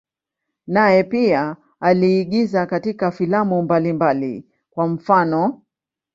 Naye pia aliigiza katika filamu mbalimbali, kwa mfano.